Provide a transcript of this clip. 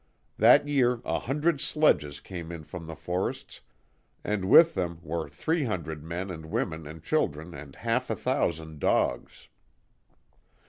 That year a hundred sledges came in from the forests, and with them were three hundred men and women and children and half a thousand dogs.